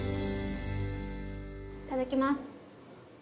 いただきます。